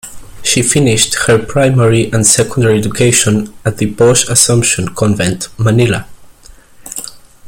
She finished her primary and secondary education at the posh Assumption Convent, Manila.